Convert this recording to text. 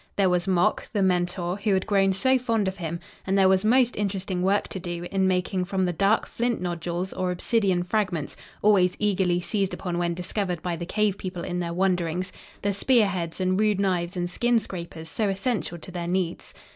There was Mok, the mentor, who had grown so fond of him, and there was most interesting work to do in making from the dark flint nodules or obsidian fragments always eagerly seized upon when discovered by the cave people in their wanderings the spearheads and rude knives and skin scrapers so essential to their needs.